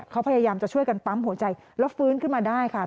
เขาพยายามจะช่วยกันปั๊มหัวใจแล้วฟื้นขึ้นมาได้ค่ะ